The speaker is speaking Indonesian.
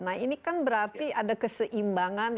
nah ini kan berarti ada keseimbangan